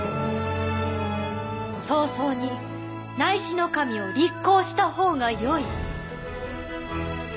早々に尚侍を立后した方がよい。